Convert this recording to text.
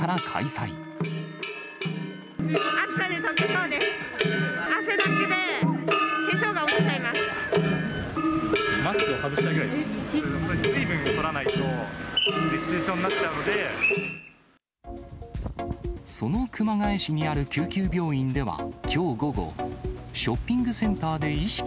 水分とらないと、その熊谷市にある救急病院では、きょう午後、ショッピングセンターで意識